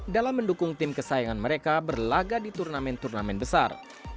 dalam mendukung tim kesayangan mereka berlaga di turnamen turnamen besar